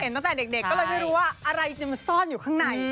ตั้งแต่เด็กก็เลยไม่รู้ว่าอะไรจะมาซ่อนอยู่ข้างใน